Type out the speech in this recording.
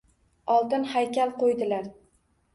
Oltin haykal qo’ydilar.